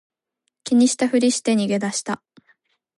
気にしたふりして逃げ出した